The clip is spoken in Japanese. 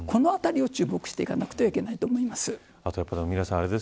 このあたりに注目していかなければいけないと思います。